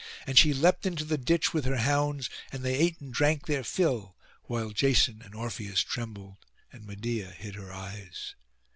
And she leapt into the ditch with her hounds, and they ate and drank their fill, while Jason and Orpheus trembled, and Medeia hid her eyes.